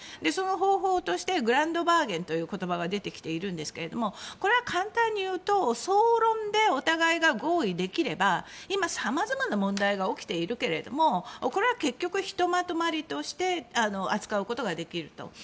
その方法としてグランドバーゲンという言葉が出てきていますがこれは簡単に言うと総論でお互いが合意できれば今さまざまな問題が起きているけれどもこれは結局、ひとまとまりとして扱うことができると。